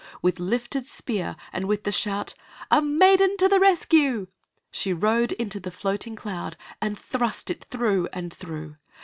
With lifted spear, and with the shout, "A maiden to the rescue!" she rode into the floating cloud and thrust it through and through.